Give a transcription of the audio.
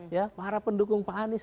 ya para pendukung pak anies